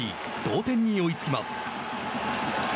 同点に追いつきます。